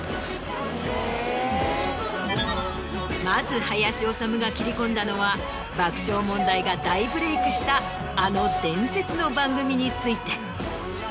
まず林修が切り込んだのは爆笑問題が大ブレイクしたあの伝説の番組について。